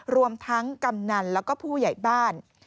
รวมทั้งกำนันแล้วก็ผู้ใหญ่บ้าน